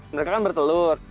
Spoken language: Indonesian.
mereka kan bertelur